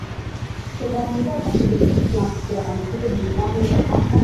Uchezaji bora shirikisho la mpira wa miguu duniani wa mwaka